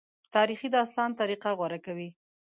تاریخي داستان طریقه غوره کوي.